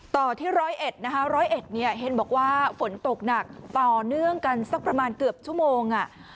ต่อที่ร้อยเอ็ดนะคะร้อยเอ็ดเนี่ยเห็นบอกว่าฝนตกหนักต่อเนื่องกันสักประมาณเกือบชั่วโมงอ่ะ